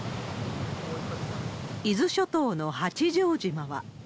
伊豆諸島の八丈島は。